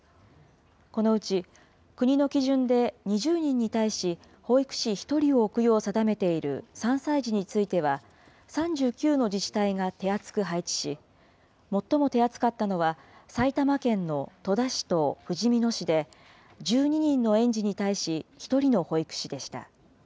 このうち国の基準で２０人に対し、保育士１人を置くよう定めている３歳児については、３９の自治体が手厚く配置し、最も手厚かったのは、埼玉県の戸田市とふじみ野市で、１２人の園児に対し１人の保育士でした。